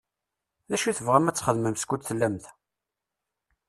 D acu i tebɣam ad t-txedmem skud tellam da?